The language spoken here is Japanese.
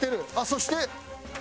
そして。